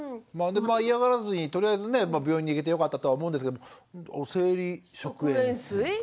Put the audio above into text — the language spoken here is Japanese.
まあでも嫌がらずにとりあえずね病院に行けてよかったとは思うんですけど生理食塩水？